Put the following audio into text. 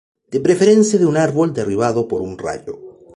De preferencia de un árbol derribado por un rayo.